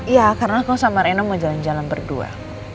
iya karena aku sama reno mau jalan jalan berdua